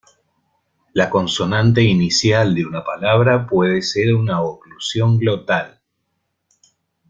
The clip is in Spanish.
La consonante inicial de una palabra puede ser una oclusión glotal.